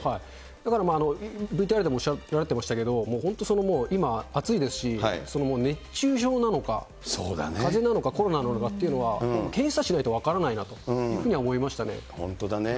だからまあ、ＶＴＲでもおっしゃられてましたけれども、本当、今、暑いですし、熱中症なのか、かぜなのか、コロナなのかっていうのは、検査しないと分からない本当だね。